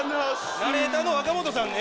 ナレーターの若本さんね。